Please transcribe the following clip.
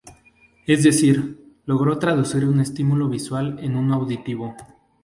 Es decir, logró traducir un estímulo visual en uno auditivo.